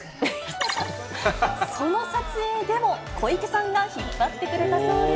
その撮影でも小池さんが引っ張ってくれたそうで。